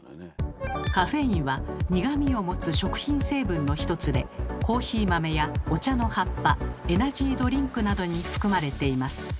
カフェインは苦みを持つ食品成分の一つでコーヒー豆やお茶の葉っぱエナジードリンクなどに含まれています。